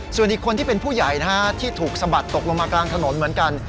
ส่วนอีกคนที่เป็นผู้ใหญ่นะฮะที่ถูกสะบัดตกลงมากลางถนนเหมือนกัน